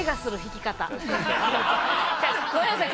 ごめんなさい。